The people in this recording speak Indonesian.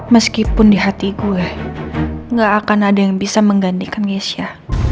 meskipun di hati gue gak akan ada yang bisa menggantikan yesya